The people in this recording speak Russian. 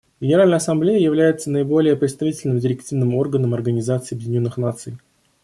Генеральная Ассамблея является наиболее представительным директивным органом Организации Объединенных Наций.